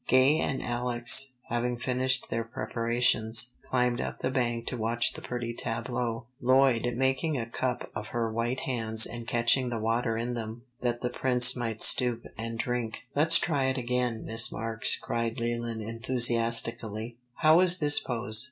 Gay and Alex, having finished their preparations, climbed up the bank to watch the pretty tableau, Lloyd making a cup of her white hands and catching the water in them, that the prince might stoop and drink. "Let's try it again, Miss Marks," cried Leland enthusiastically. "How is this pose?"